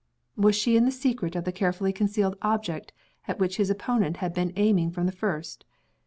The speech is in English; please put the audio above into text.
Was she in the secret of the carefully concealed object at which his opponent had been aiming from the first?